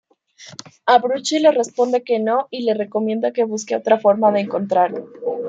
Abruzzi le responde que no y le recomienda que busque otra forma de encontrarlo.